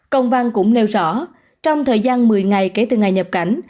công văn cũng nêu rõ trong thời gian một mươi ngày kể từ ngày nhập cảnh